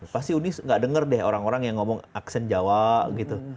pasti uni nggak dengar deh orang orang yang ngomong aksen jawa gitu